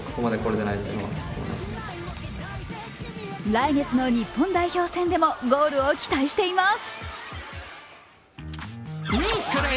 来月の日本代表戦でもゴールを期待しています。